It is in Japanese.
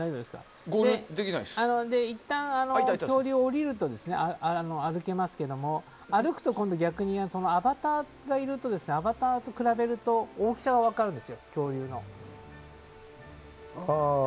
いったん恐竜を降りると歩けますけど歩くと逆にアバターがいるとアバターと比べると大きさが分かるんですよ、恐竜の。